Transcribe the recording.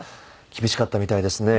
厳しかったみたいですね。